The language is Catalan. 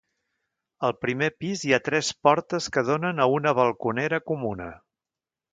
Al primer pis hi ha tres portes que donen a una balconera comuna.